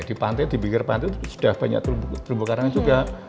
di pantai di biker pantai itu sudah banyak terbuk terbuk karangnya juga